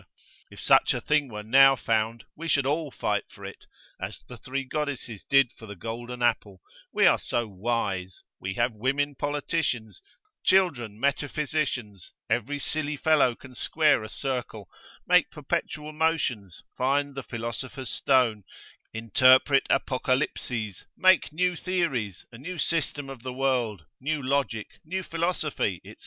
If such a thing were now found, we should all fight for it, as the three goddesses did for the golden apple, we are so wise: we have women politicians, children metaphysicians; every silly fellow can square a circle, make perpetual motions, find the philosopher's stone, interpret Apocalypses, make new Theories, a new system of the world, new Logic, new Philosophy, &c.